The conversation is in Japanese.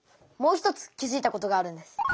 もう一つ気づいたことがあるんです。